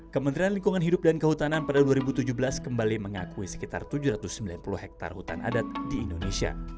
kementerian lingkungan hidup dan kehutanan pada dua ribu tujuh belas kembali mengakui sekitar tujuh ratus sembilan puluh hektare hutan adat di indonesia